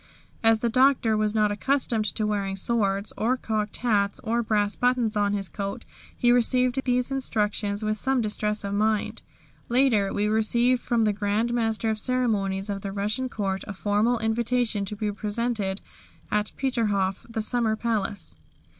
As the Doctor was not accustomed to wearing swords, or cocked hats, or brass buttons on his coat, he received these instructions with some distress of mind. Later, we received from the Grand Master of Ceremonies of the Russian Court a formal invitation to be presented at Peterhof, the summer palace.